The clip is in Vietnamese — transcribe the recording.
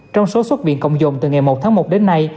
trong số xuất viện cộng dồn từ ngày một tháng một đến nay